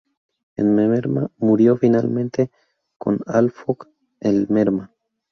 El Merma murió, finalmente, con "Al foc el Merma!